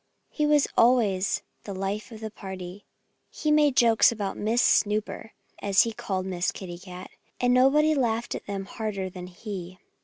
He was always the life of the party. He made jokes about Miss Snooper as he called Miss Kitty Cat. And nobody laughed at them harder than he.